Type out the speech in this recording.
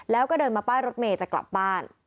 แล้วก็เดินมาป้ายรถเมย์จะกลับบ้าน